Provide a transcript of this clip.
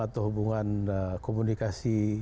atau hubungan komunikasi